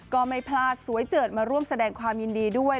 ก็ไม่พลาดสวยเจิดมาร่วมแสดงความยินดีด้วย